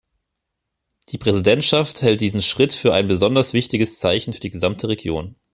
Die Präsidentschaft hält diesen Schritt für ein besonders wichtiges Zeichen für die gesamte Region.